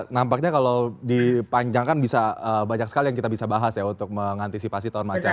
nampaknya kalau dipanjangkan bisa banyak sekali yang kita bisa bahas ya untuk mengantisipasi tahun macan